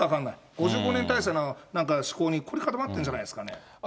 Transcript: ５５年体制の思考に凝り固まってんじゃないですかね。